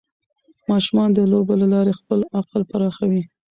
ماشومان د لوبو له لارې خپل عقل پراخوي.